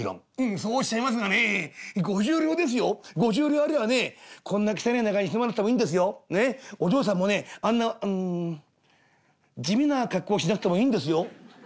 「そうおっしゃいますがね五十両ですよ五十両ありゃねこんな汚ねえ長屋に住まなくてもいいんですよ。お嬢さんもねあんな地味な格好しなくてもいいんですよ」。